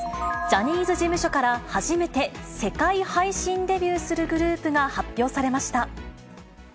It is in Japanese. ジャニーズ事務所から初めて、世界配信デビューするグループが発表されました。